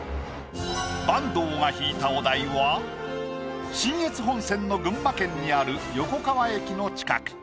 坂東が引いたお題は信越本線の群馬県にある横川駅の近く。